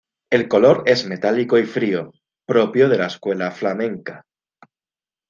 El color es metálico y frío, propio de la escuela flamenca.